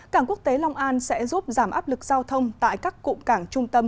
cảng quốc tế long an sẽ giúp giảm áp lực giao thông tại các cụm cảng trung tâm